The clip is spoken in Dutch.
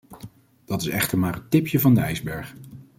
Dat is echter maar het tipje van de ijsberg.